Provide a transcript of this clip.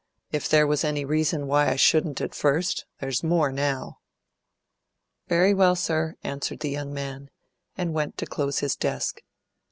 "If there was any reason why I shouldn't at first, there's more now." "Very well, sir," answered the young man, and went to close his desk.